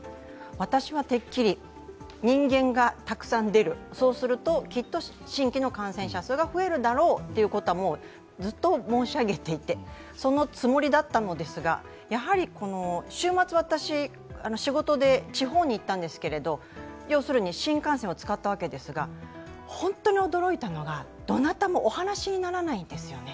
私はてっきり人間がたくさん出る、そうするときっと新規の感染者数が増えるんだろうということはもうずっと申し上げていて、そのつもりだったのですが、週末、私、仕事で地方に行ったんですけれど要するに新幹線を使ったわけですが本当に驚いたのが、どなたもお話しにならないんですよね。